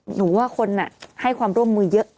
หนูว่าคนให้ความร่วมมือเยอะ